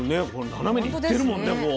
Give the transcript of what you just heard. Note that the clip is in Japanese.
斜めにいってるもんねこう。